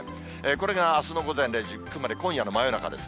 これがあすの午前０時、つまり今夜の真夜中です。